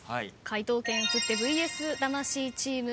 解答権移ってＶＳ魂チーム。